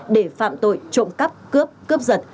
để phạm tội trộm cắp cướp cướp giật